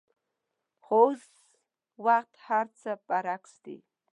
خو اوس وخت هرڅه برعکس دي.